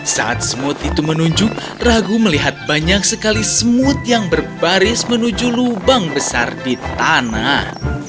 saat semut itu menunjuk ragu melihat banyak sekali semut yang berbaris menuju lubang besar di tanah